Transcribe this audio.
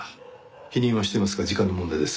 否認はしていますが時間の問題です。